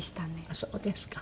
あっそうですか。